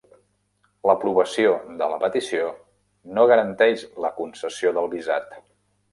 L'aprovació de la petició no garanteix la concessió del visat.